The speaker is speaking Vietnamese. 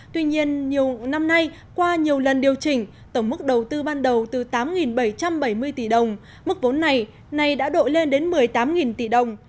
tuy nhiên nhiều năm nay qua nhiều lần điều chỉnh tổng mức đầu tư ban đầu từ tám bảy trăm bảy mươi tỷ đồng mức vốn này này đã đội lên đến một mươi tám tỷ đồng